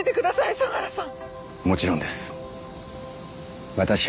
相良さん。